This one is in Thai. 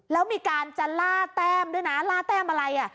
แล้วมีการจะล่าแต้มด้วยนะล่าแต้มอะไรอ่ะ